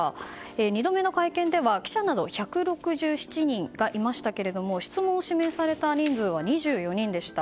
２度目の会見では記者など１６７人がいましたが質問を指名された人数は２４人でした。